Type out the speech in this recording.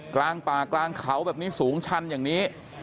กลางป่ากลางเขาแบบนี้สูงชันอย่างนี้